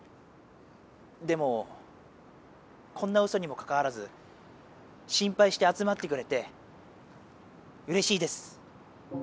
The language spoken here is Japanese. でもこんなうそにもかかわらず心ぱいしてあつまってくれてうれしいです。